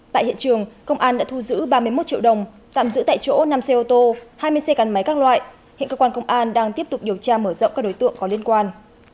tại hiện trường công an đã thu giữ ba mươi một triệu đồng tạm giữ tại chỗ năm xe ô tô hai mươi xe cắn máy các loại hiện cơ quan công an đang tiếp tục điều tra mở rộng các đối tượng có liên quan